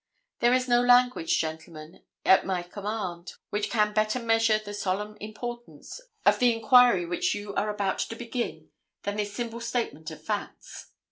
There is no language, gentlemen, at my command, which can better measure the solemn importance of the inquiry which you are about to begin than this simple statement of facts.